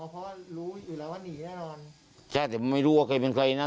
เพราะว่ารู้อยู่แล้วว่าหนีแน่นอนใช่แต่ไม่รู้ว่าใครเป็นใครนะ